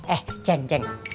eh ceng ceng